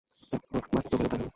তারপর বাস্তবেও তাই হল।